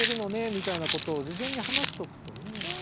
みたいなことを事前に話しとくとね。